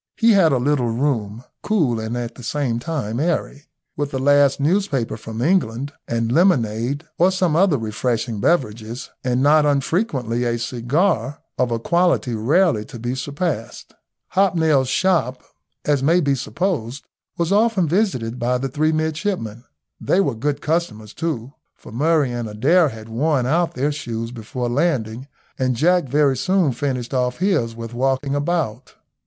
He had a little room, cool and at the same time airy, with the last newspaper from England, and lemonade, or some other refreshing beverages, and not unfrequently a cigar of a quality rarely to be surpassed. Hobnail's shop, as may be supposed, was often visited by the three midshipmen. They were good customers too, for Murray and Adair had worn out their shoes before landing, and Jack very soon finished off his with walking about.